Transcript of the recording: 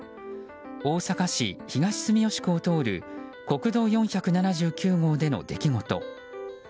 大阪市東住吉区を通る国道４７９号での出来事。